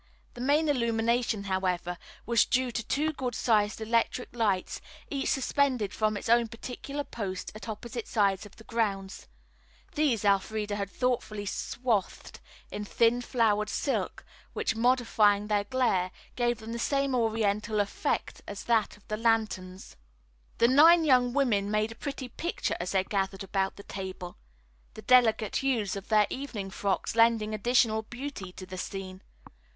The main illumination, however, was due to two good sized electric lights, each suspended from its own particular post at opposite sides of the grounds. These Elfreda had thoughtfully swathed in thin flowered silk, which modifying their glare, gave them the same Oriental effect as that of the lanterns. The nine young women made a pretty picture as they gathered about the table, the delicate hues of their evening frocks lending additional beauty to the scene.